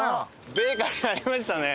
ベーカリーありましたね。